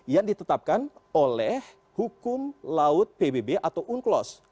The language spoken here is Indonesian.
yang ditetapkan oleh hukum laut pbb atau unclos